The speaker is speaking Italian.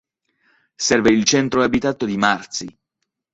Serve il centro abitato di Marzi.